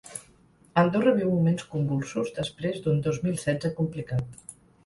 Andorra viu moments convulsos després d’un dos mil setze complicat.